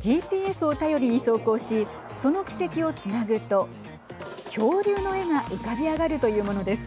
ＧＰＳを頼りに走行しその軌跡をつなぐと恐竜の絵が浮かび上がるというものです。